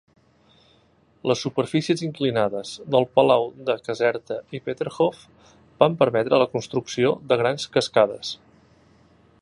Les superfícies inclinades del palau de Caserta i Peterhof van permetre la construcció de grans cascades.